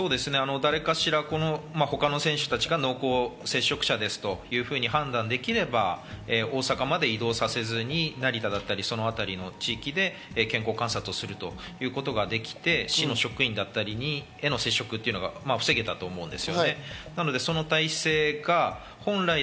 誰かしら他の選手たちが濃厚接触者ですというふうに判断できれば、大阪まで移動させずに、成田だったりそのあたりの地域で健康観察をするということができて、市の職員だったりへの接触というのは防げたと思うんです。